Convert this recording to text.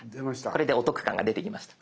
これでお得感が出てきました。